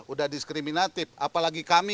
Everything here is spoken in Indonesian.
udah diskriminatif apalagi kami